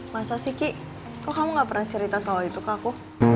masa sih kok kamu gak pernah cerita soal itu ke aku